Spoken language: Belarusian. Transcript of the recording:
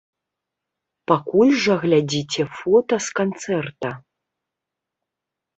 Пакуль жа глядзіце фота з канцэрта.